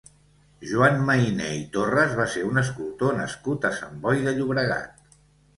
Joan Mayné i Torras va ser un escultor nascut a Sant Boi de Llobregat.